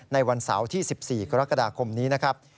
ในวันเสาร์ที่๑๔กรกฎาคมนี้นะครับ